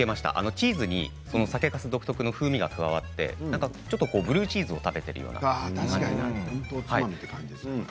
チーズに酒かす独特の風味が加わってブルーチーズを食べているようでした。